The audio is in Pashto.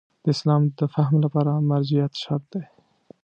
د اسلام د فهم لپاره مرجعیت شرط دی.